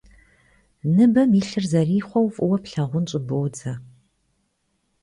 Ныбэм илъыр зэрихъуэу фӀыуэ плъагъун щӀыбодзэ.